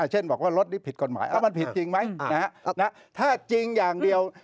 เช่นบอกว่ารถนี้ผิดกฎหมายมันผิดจริงไหมถ้าจริงอย่างเดียว